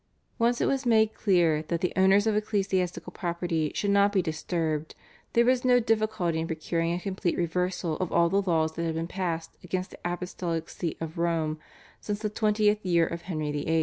Once it was made clear that the owners of ecclesiastical property should not be disturbed there was no difficulty in procuring a complete reversal of all the laws that had been passed against the apostolic See of Rome since the twentieth year of Henry VIII.